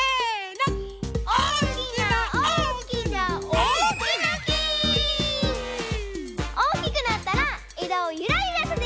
おおきくなったらえだをゆらゆらさせるよ。